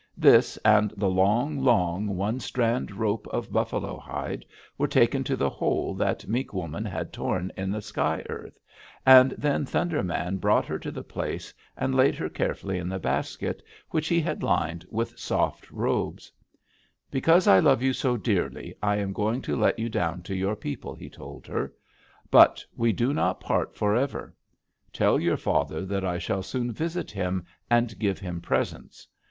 This and the long, long one strand rope of buffalo hide were taken to the hole that Mink Woman had torn in the sky earth, and then Thunder Man brought her to the place and laid her carefully in the basket, which he had lined with soft robes: 'Because I love you so dearly, I am going to let you down to your people,' he told her. 'But we do not part forever. Tell your father that I shall soon visit him, and give him presents.